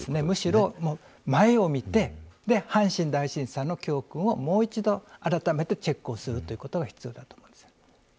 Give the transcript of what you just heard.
むしろ前を見て阪神大震災の教訓をもう１度改めてチェックをするということが必要だと思うんですよね。